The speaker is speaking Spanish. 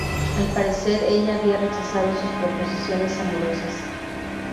Al parecer, ella había rechazado sus proposiciones amorosas.